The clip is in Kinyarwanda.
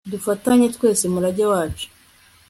dufatanye twese umurage wacu